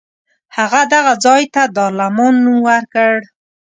هغه دغه ځای ته دارالامان نوم ورکړ.